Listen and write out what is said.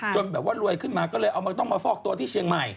แบบว่ารวยขึ้นมาก็เลยเอามันต้องมาฟอกตัวที่เชียงใหม่